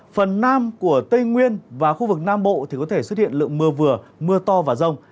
phần nam của tây nguyên và khu vực nam bộ thì có thể xuất hiện lượng mưa vừa mưa to và rông